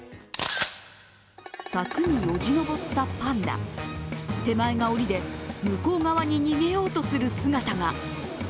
柵によじ登ったパンダ、手前がおりで向こう側に逃げようとする姿が。